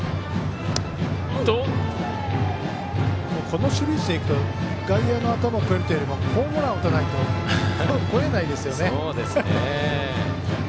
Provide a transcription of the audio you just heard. この守備位置でいくと外野の頭を越えるというよりもホームランを打たないと越えないですよね。